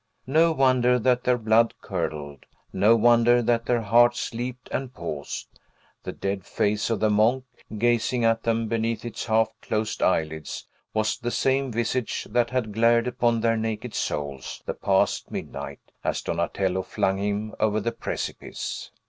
No wonder that their blood curdled; no wonder that their hearts leaped and paused! The dead face of the monk, gazing at them beneath its half closed eyelids, was the same visage that had glared upon their naked souls, the past midnight, as Donatello flung him over the precipice.